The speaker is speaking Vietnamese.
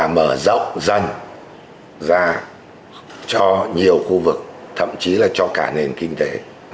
mở rộng danh ra cho nhiều khu vực thậm chí là cho cả nền kinh tế